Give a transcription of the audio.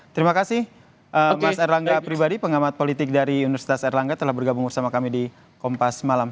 terima kasih mas erlangga pribadi pengamat politik dari universitas erlangga telah bergabung bersama kami di kompas malam